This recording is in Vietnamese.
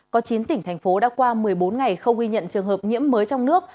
có chín tỉnh thành phố đã qua một mươi bốn ngày không ghi nhận trường hợp nhiễm mới trong nước